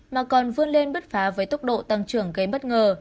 mà còn vươn lên bứt phá với tốc độ tăng trưởng gây bất ngờ